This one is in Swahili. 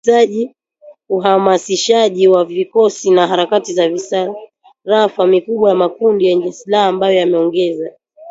ripoti ya uhamasishaji wa vikosi na harakati za misafara mikubwa ya makundi yenye silaha ambayo yameongeza